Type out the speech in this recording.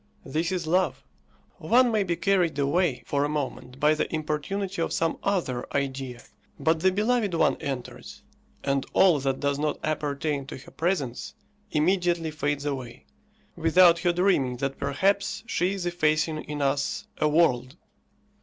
This is love; one may be carried away for a moment by the importunity of some other idea, but the beloved one enters, and all that does not appertain to her presence immediately fades away, without her dreaming that perhaps she is effacing in us a world.